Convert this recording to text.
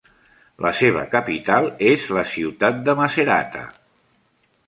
La seva capital és la ciutat de Macerata.